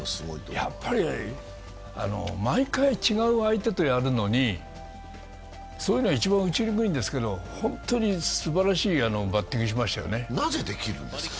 やっぱり毎回違う相手とやるのに、そういうのは一番打ちにくいんですが、本当にすばらしいバッティングしましたね。